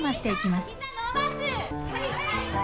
はい！